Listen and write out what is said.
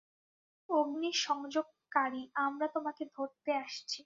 অগ্নিসংযোগকারী, আমরা তোমাকে ধরতে আসছি।